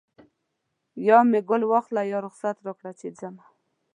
یا مې ګل واخله یا رخصت راکړه چې ځمه